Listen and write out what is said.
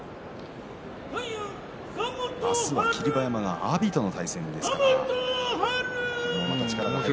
明日は霧馬山が阿炎との対戦です。